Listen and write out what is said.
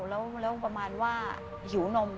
แล้วประมาณว่าหิวนม